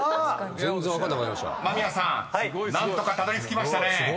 ［間宮さん何とかたどりつきましたね］